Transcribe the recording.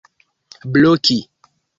bloki